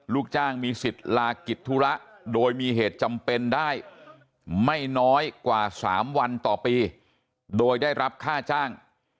ลูกจ้างมีสิทธิ์ลากิจธุระโดยมีเหตุจำเป็นได้ไม่น้อยกว่า๓วันต่อปีโดยได้รับค่าจ้าง